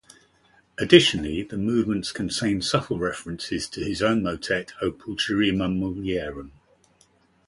Additionally, the movements contain subtle references to his own motet "O pulcherrima mulierum".